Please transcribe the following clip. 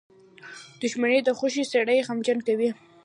• دښمني د خوښۍ سړی غمجن کوي.